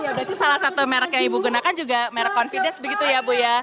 ya berarti salah satu merek yang ibu gunakan juga merek confidence begitu ya bu ya